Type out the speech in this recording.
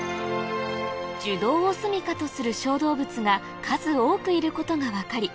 樹洞をすみかとする小動物が数多くいることが分かり